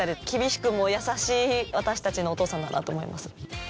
厳しくも優しい私たちのお父さんだなと思います。